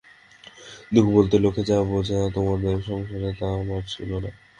দুঃখ বলতে লোকে যা বোঝে তোমাদের সংসারে তা আমার ছিল না।